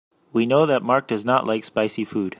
We know that Mark does not like spicy food.